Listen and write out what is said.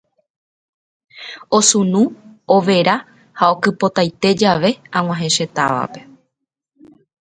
Osunu, overa ha okypotaite jave ag̃uahẽ che távape.